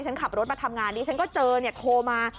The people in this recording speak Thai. ฉันขับรถมาทำงานดิฉันก็เจอเนี่ยโทรมา